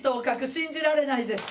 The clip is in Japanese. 信じられないです。